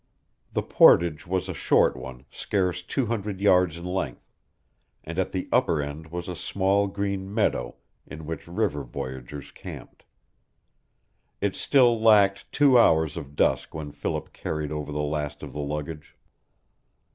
The portage was a short one, scarce two hundred yards in length, and at the upper end was a small green meadow in which river voyagers camped. It still lacked two hours of dusk when Philip carried over the last of the luggage.